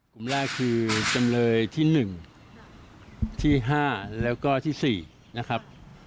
กลุ่มแรกคือจำเลยที่๑ที่๕แล้วก็ที่๔นะครับ